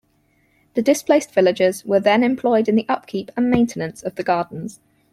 The displaced villagers were then employed in the upkeep and maintenance of the gardens.